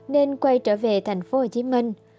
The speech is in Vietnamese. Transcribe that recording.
nên quay trở về thành phố hồ chí minh